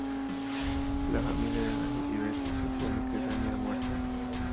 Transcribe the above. La familia de Danny y Beth supone que Danny ha muerto.